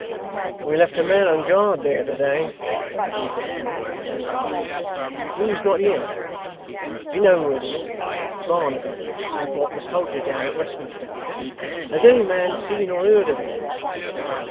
'We left a man on guard there to day,' said Hugh, looking round him, 'who is not here. You know who it is Barnaby, who brought the soldier down, at Westminster. Has any man seen or heard of him?